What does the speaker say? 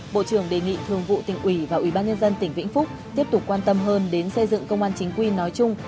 bộ trưởng đề nghị thường vụ tỉnh uy và ubnd tỉnh vĩnh phúc tiếp tục quan tâm hơn đến xây dựng công an chính quy nói chung